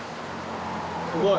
すごい。